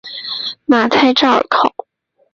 马泰绍尔考。